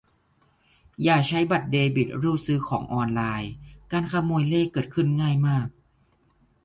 อย่าใช้บัตรเดบิตรูดซื้อของออนไลน์ การขโมยเลขเกิดขึ้นง่ายมาก